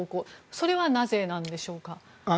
それはなぜなんでしょうか？